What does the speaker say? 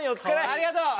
ありがとう。